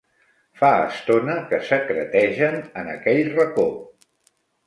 Fa estona que secretegen en aquell racó.